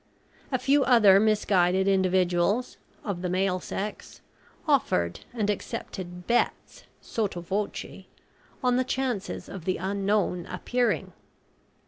A few other misguided individuals, of the male sex, offered and accepted bets sotto voce on the chances of the Unknown appearing.